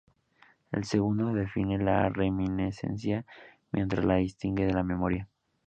El segundo define la reminiscencia, mientras la distingue de la memoria.